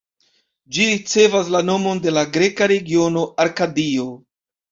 Ĝi ricevas la nomon de la greka regiono Arkadio.